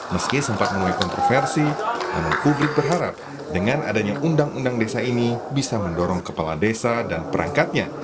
meski sempat menuai kontroversi namun publik berharap dengan adanya undang undang desa ini bisa mendorong kepala desa dan perangkatnya